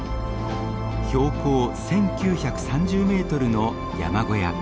標高１，９３０メートルの山小屋。